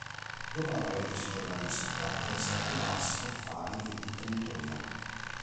Dopo la parentesi giornalistica, prese a occuparsi di affari e di imprenditoria.